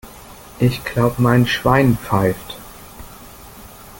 Ich glaube, mein Schwein pfeift!